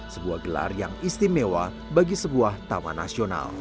sebuah gelar yang istimewa bagi sebuah taman nasional